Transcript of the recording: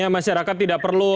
maka tidak perlu